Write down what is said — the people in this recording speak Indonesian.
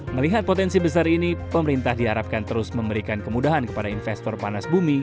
melihat potensi besar ini pemerintah diharapkan terus memberikan kemudahan kepada investor panas bumi